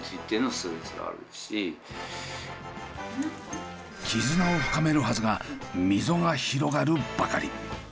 絆を深めるはずが溝が広がるばかり。